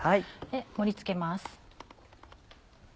盛り付けます。